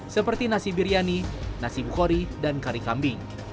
seperti nasi biryani nasi bukhori dan kari kambing